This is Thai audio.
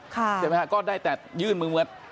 ใช่ไหมค่ะก็ได้แต่ยื่นมือเมื่อ